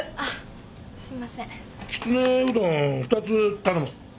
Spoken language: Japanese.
きつねうどん２つ頼む。